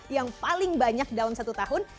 yang paling banyak dalam satu tahun